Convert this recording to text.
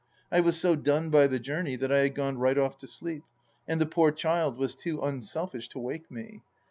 I was so done by the journey that I had gone right off to sleep, and the poor child was too unselfish to wake me.